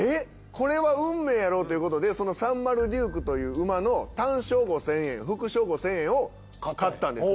これは運命やろうということでそのサンマルデュークという馬の単勝５，０００円複勝５，０００円を買ったんですよ